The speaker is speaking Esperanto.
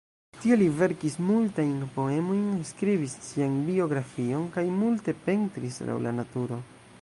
Tie li verkis multajn poemojn, skribis sian biografion kaj multe pentris laŭ la naturo.